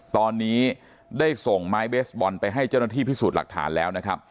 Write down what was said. ตอนนี้ได้ส่งไม้เบสบอลไปให้เจ้าหน้าที่พิสูจน์หลักฐานแล้วนะครับ